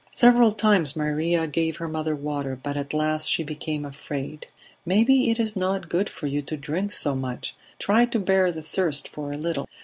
Several times Maria gave her mother water, but at last she became afraid. "Maybe it is not good for you to drink so much. Try to bear the thirst for a little."